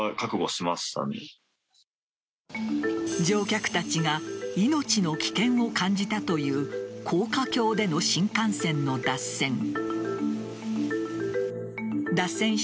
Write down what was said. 乗客たちが命の危険を感じたという高架橋での新幹線の脱線。